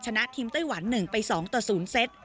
ชนะทีมไต้หวัน๑ไป๒ต่อ๐เซต